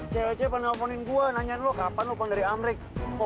cewek cewek pada nelfonin gue nanya lo kapan lo panggil dari amrik